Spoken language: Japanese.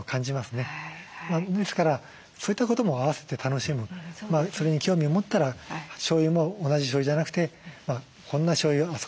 ですからそういったことも合わせて楽しむそれに興味を持ったらしょうゆも同じしょうゆじゃなくてこんなしょうゆあそこのしょうゆ